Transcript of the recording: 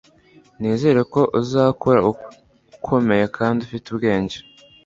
nizere ko uzakura ukomeye kandi ufite ubwenge